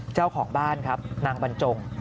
เจ้าของบ้านครับนางบรรจง